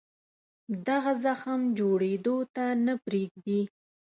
دغه زخم جوړېدو ته نه پرېږدي.